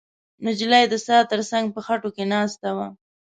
نجلۍ د څا تر څنګ په خټو کې ناسته وه.